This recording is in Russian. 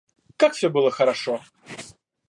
Как всё было хорошо!